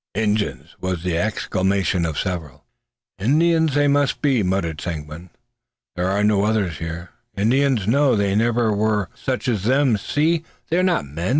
"Injuns!" was the exclamation of several. "Indians they must be," muttered Seguin. "There are no others here. Indians! No! There never were such as them. See! they are not men!